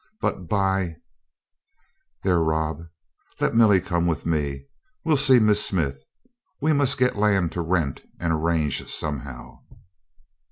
But by " "There, Rob, let Millie come with me we'll see Miss Smith. We must get land to rent and arrange somehow."